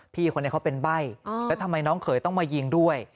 พี่คนนี้เขาเป็นใบ้แล้วทำไมน้องเขยต้องมายิงด้วย